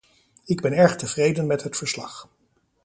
Ik ben erg tevreden met het verslag.